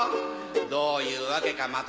どういうわけかまた